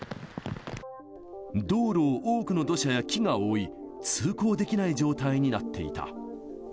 道路を多くの土砂や木が覆い、通行できない状態になっていた。